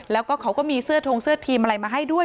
แล้วก็เขาก็มีเสื้อทงเสื้อทีมอะไรมาให้ด้วย